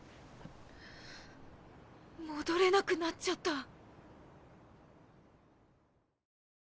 戻れなくなっちゃった。